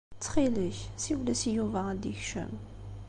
Ttxil-k, siwel-as i Yuba ad d-ikcem.